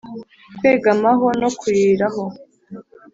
kwegamaho no kuririraho